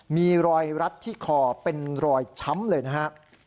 มีรอยรัดที่คอเป็นรอยช้ำเลยนะฮะ